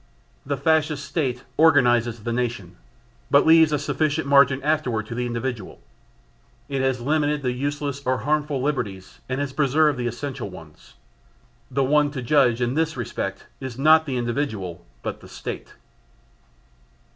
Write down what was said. The Fascist State organises the nation, but leaves a sufficient margin afterward to the individual; it has limited the useless or harmful liberties and has preserved the essential ones. The one to judge in this respect is not the individual but the State.